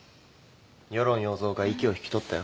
与論要造が息を引き取ったよ。